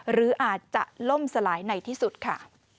หรืออาจจะล่มสลายในที่สุดค่ะ